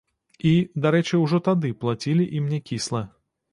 І, дарэчы, ужо тады плацілі ім някісла.